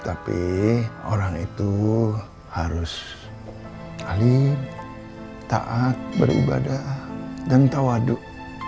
tapi orang itu harus alim taat beribadah dan tawaduk